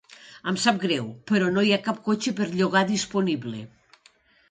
Em sap greu, però no hi ha cap cotxe per llogar disponible.